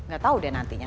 gak tau deh nantinya